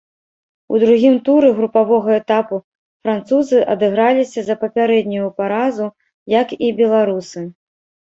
У другім туры групавога этапу французы адыграліся за папярэднюю паразу, як і беларусы.